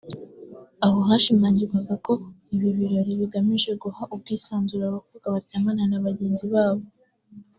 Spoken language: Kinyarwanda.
aho hashimangirwaga ko ibi birori bigamije guha ubwisanzure abakobwa baryamana na bagenzi babo